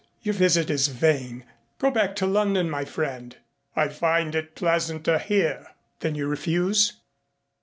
"Your visit is vain. Go back to London, my friend." "I find it pleasanter here." "Then you refuse?"